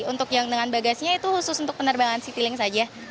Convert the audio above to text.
untuk yang dengan bagasinya itu khusus untuk penerbangan citylink saja